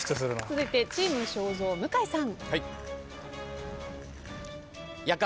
続いてチーム正蔵向井さん。